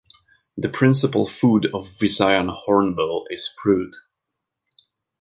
The principal food of Visayan hornbill is fruit.